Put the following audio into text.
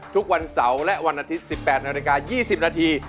ทุกวันเสาร์และวันอาทิตย์๑๘นาฬิกา๒๐นาที